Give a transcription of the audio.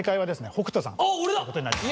北斗さんということになります。